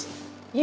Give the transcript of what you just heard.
ya gitu caranya ma